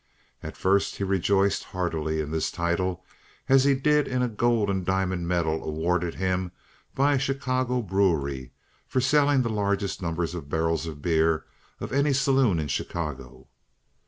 At first he rejoiced heartily in this title, as he did in a gold and diamond medal awarded him by a Chicago brewery for selling the largest number of barrels of beer of any saloon in Chicago.